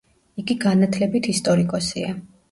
იგი განათლებით ისტორიკოსია.